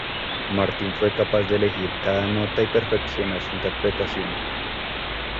Martin fue capaz de elegir cada nota y perfeccionar su interpretación.